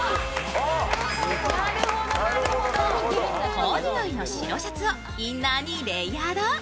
コーデュロイの白シャツをインナーにレイヤード。